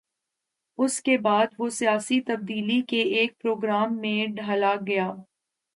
اس کے بعد وہ سیاسی تبدیلی کے ایک پروگرام میں ڈھلا ہے۔